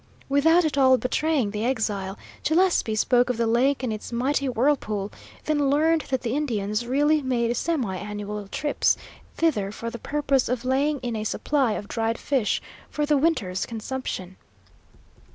Without at all betraying the exile, Gillespie spoke of the lake and its mighty whirlpool, then learned that the Indians really made semi annual trips thither for the purpose of laying in a supply of dried fish for the winter's consumption.